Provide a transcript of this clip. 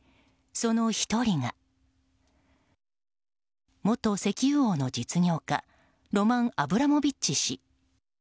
その１人が元石油王の実業家ロマン・アブラモビッチ氏。